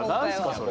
それ。